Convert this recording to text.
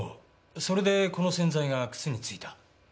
それでこの洗剤が靴についた。